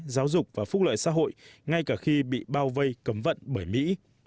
giáo dục và phúc lợi xã hội ngay cả khi bị bao vây cấm vận bởi mỹ